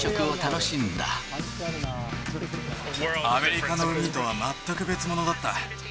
アメリカのウニとは全く別物だった。